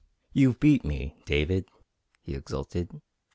"You've beat me, David," he exulted.